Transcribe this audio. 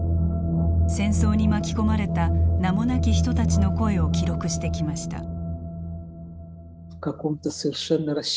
戦争に巻き込まれた名もなき人たちの声を記録してきました。